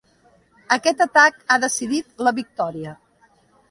Aquest atac ha decidit la victòria.